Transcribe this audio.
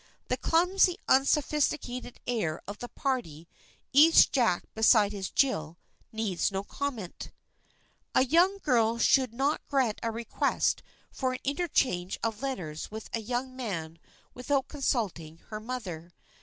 The clumsy unsophisticated air of the party, each Jack beside his Jill, needs no comment. A young girl should not grant a request for an interchange of letters with a young man without consulting her mother.